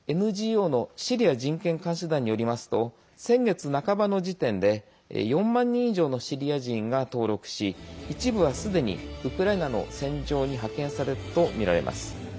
ＮＧＯのシリア人権監視団によりますと先月半ばの時点で４万人以上のシリア人が登録し一部は、すでにウクライナの戦場に派遣されたとみられます。